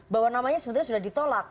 bahwa namanya sebetulnya sudah ditolak